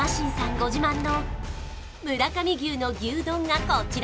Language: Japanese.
ご自慢の村上牛の牛丼がこちら！